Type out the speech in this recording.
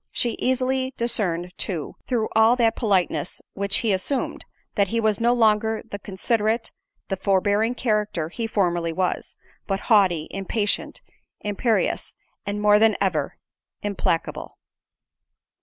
She easily discerned, too, through all that politeness which he assumed—that he was no longer the considerate, the forbearing character he formerly was; but haughty, impatient, imperious, and more than ever, implacable.